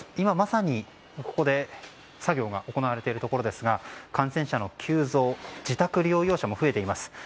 今まさに、ここで作業が行われているところですが感染者の急増自宅療養者も増えています。